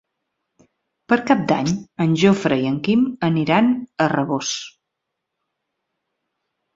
Per Cap d'Any en Jofre i en Quim aniran a Rabós.